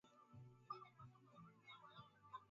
barbara harff aliyafafanua mauaji ya kimbari vizuri sana